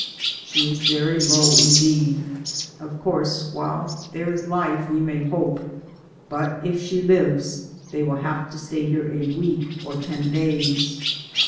"She is very low, indeed. Of course, while there is life we may hope; but if she lives they will have to stay here a week or ten days."